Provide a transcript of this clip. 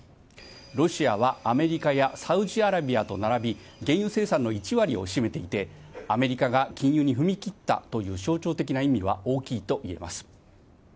ロシアはアメリカやサウジアラビアと並び、原油生産の１割を占めていて、アメリカが禁輸に踏み切ったという象徴的な意味は大きいといえます。